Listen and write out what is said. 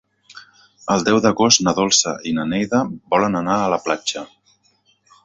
El deu d'agost na Dolça i na Neida volen anar a la platja.